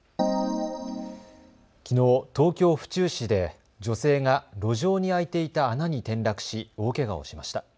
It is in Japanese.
きのう、東京府中市で女性が路上に開いていた穴に転落し大けがをしました。